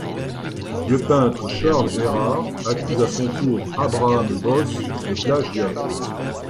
Le peintre Charles Errard accuse à son tour Abraham Bosse de plagiat.